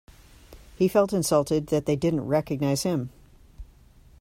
He felt insulted that they didn't recognise him.